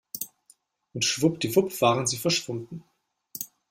Und schwuppdiwupp waren sie verschwunden.